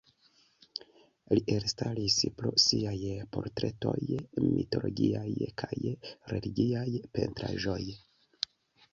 Li elstaris pro siaj portretoj, mitologiaj kaj religiaj pentraĵoj.